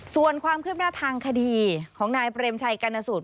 ส่วนความคืบหน้าทางคดีของนายเปรมชัยกรณสูตร